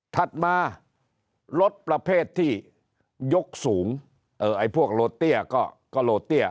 ถัดมารถประเภทที่ยกสูงไอ้พวกโลเตี้ยก็กะโลเตี้ย